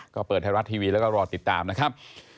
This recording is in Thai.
ก็เปิดไทยรัฐทีวีแล้วก็รอติดตามนะครับ